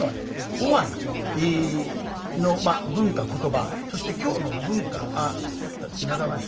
尾張の文化言葉そして京の文化習わし